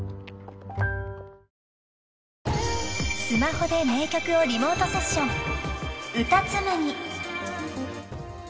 ［スマホで名曲をリモートセッション］